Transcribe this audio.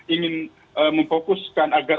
ingin memfokuskan agar